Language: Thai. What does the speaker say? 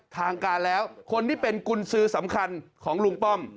ทางการแล้วคนที่เป็นกุญสือสำคัญของลุงป้อม